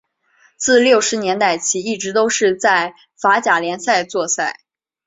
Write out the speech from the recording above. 自六十年代起一直都是在法甲联赛作赛。